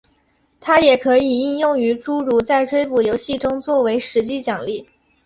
它也可以应用于诸如在追捕游戏中做为实际奖励。